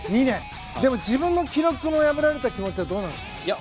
でも、自分の気持ちが破られた気持ちはどうですか？